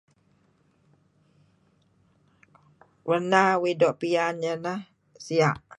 Warna uih doo' piyan iyeh neh sia'.